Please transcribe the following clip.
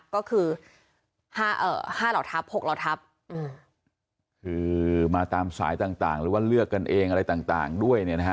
ก็คือ๕เหล่าทัพ๖เหล่าทัพคือมาตามสายต่างหรือว่าเลือกกันเองอะไรต่างด้วยเนี่ยนะฮะ